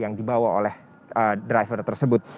yang dibawa oleh driver tersebut